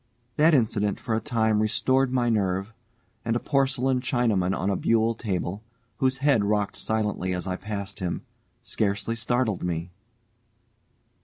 That incident for a time restored my nerve, and a porcelain Chinaman on a buhl table, whose head rocked silently as I passed him, scarcely startled me.